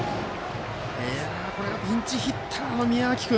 これがピンチヒッターの宮脇君。